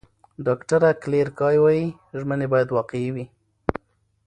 ډاکټره کلیر کای وايي، ژمنې باید واقعي وي.